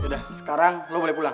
udah sekarang lo boleh pulang